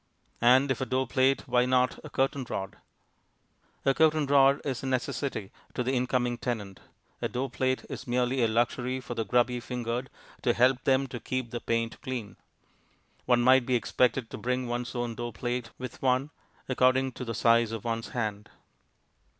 And if a door plate, why not a curtain rod? A curtain rod is a necessity to the incoming tenant; a door plate is merely a luxury for the grubby fingered to help them to keep the paint clean. One might be expected to bring one's own door plate with one, according to the size of one's hand.